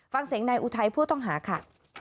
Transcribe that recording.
ฟังเสียงนายอุทัยผู้ต้องหาค่ะ